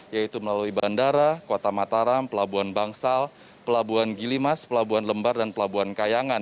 yaitu melalui bandara kota mataram pelabuhan bangsal pelabuhan gilimas pelabuhan lembar dan pelabuhan kayangan